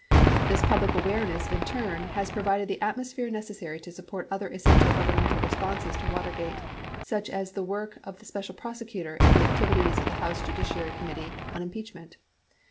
This public awareness, in turn, has provided the atmosphere neces sary to support other essential governmental responses to Water gate such as the work of the Special Prosecutor and the activities of the House Judiciary Committee on impeachment.